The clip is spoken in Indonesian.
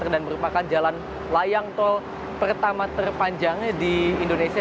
dan merupakan jalan layang tol pertama terpanjang di indonesia